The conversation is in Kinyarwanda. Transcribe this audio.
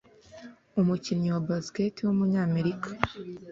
umukinnyi wa basketball w’umunyamerika